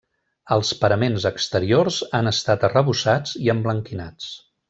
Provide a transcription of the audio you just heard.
Els paraments exteriors han estat arrebossats i emblanquinats.